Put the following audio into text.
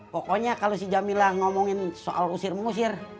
pokoknya kalau si jamila ngomongin soal ngusir ngusir